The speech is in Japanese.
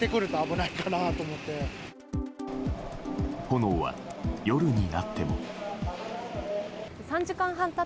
炎は夜になっても。